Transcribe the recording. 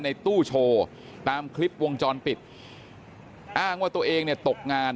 ในตู้โชว์ตามคลิปวงจรปิดอ้างว่าตัวเองเนี่ยตกงาน